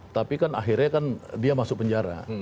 tapi kan akhirnya kan dia masuk penjara